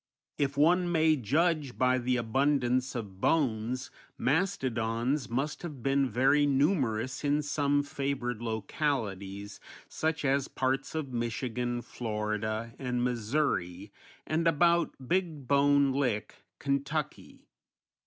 If one may judge by the abundance of bones, mastodons must have been very numerous in some favored localities such as parts of Michigan, Florida, and Missouri and about Big Bone Lick, Ky.